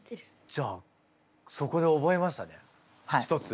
じゃあそこで覚えましたね一つ。